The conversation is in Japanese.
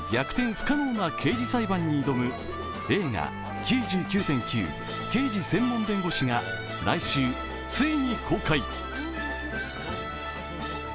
不可能な刑事裁判に挑む映画「９９．９−刑事専門弁護士−」が来週ついに公開。